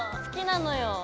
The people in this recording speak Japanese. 好きなのよ。